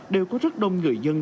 đều có rất đông người dân